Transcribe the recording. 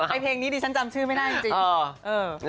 เพลงนี้ดิฉันจำชื่อไม่ได้จริง